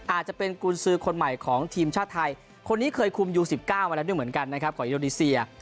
อาจจะเป็นกรุงศึคนใหม่ของทีมชาติไทยคนนี้เคยคุมอยู่๑๙วันแล้วของอินโดนิเซีย